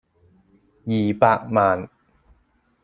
二百萬